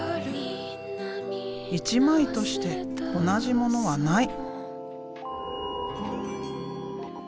一枚として同じものはない。